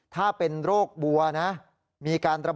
สายลูกไว้อย่าใส่